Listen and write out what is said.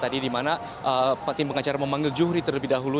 tadi di mana tim pengacara memanggil juhri terlebih dahulu